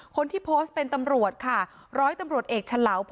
คนที่โพสต์เป็นตำรวจค่ะร้อยตำรวจเอกเฉลาว